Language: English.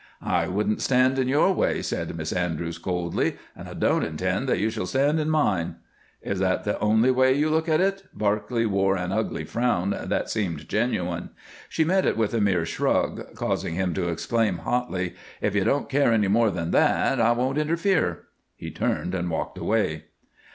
"I wouldn't stand in your way," said Miss Andrews, coldly, "and I don't intend that you shall stand in mine." "Is that the only way you look at it?" Barclay wore an ugly frown that seemed genuine. She met it with a mere shrug, causing him to exclaim, hotly, "If you don't care any more than that, I won't interfere." He turned and walked away.